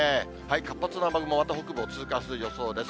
活発な雨雲、また北部を通過する予想です。